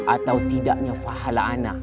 atau tidaknya pahala anak